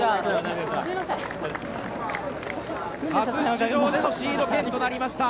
初出場でのシード権となりました。